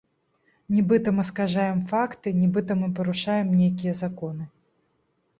Нібыта мы скажаем факты, нібыта мы парушаем нейкія законы.